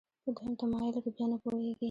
په دویم تمایل کې بیا نه پوهېږي.